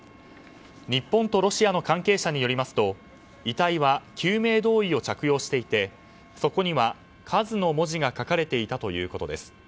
日本とロシアの関係者によりますと遺体は救命胴衣を着用していてそこには「ＫＡＺＵ」の文字が書かれていたということです。